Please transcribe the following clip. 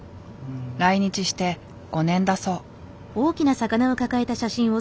来日して５年だそう。